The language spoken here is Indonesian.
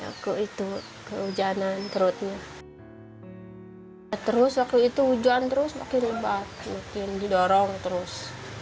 waktu itu hujan terus makin lebat mungkin didorong terus